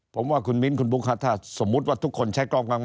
ผมว่าคุณมิ้นคุณบุ๊คถ้าสมมุติว่าทุกคนใช้กล้องกลาง